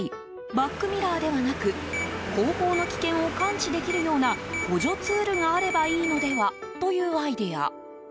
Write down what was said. バックミラーではなく後方の危険を感知できるような補助ツールがあればいいのではというアイデア。